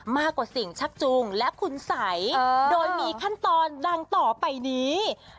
มากกว่าสิ่งชักจูงและคุณสัยโดยมีขั้นตอนดังต่อไปนี้